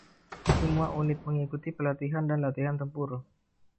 Semua unit mengikuti pelatihan dan latihan tempur.